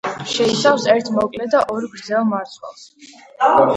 შეიცავს ერთ მოკლე და ორ გრძელ მარცვალს.